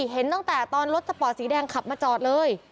เห็นตั้งแต่ตอนรถสปอร์ตสีแดงขับมาจอดเลย